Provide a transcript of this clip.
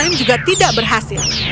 ini juga tidak berhasil